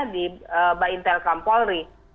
di baintel kampolri